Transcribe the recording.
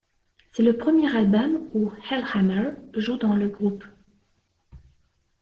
C'est le premier album où Hellhammer joue dans le groupe.